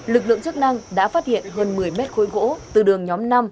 lực lượng chức năng đã phát hiện hơn một mươi mét khối gỗ từ đường nhóm năm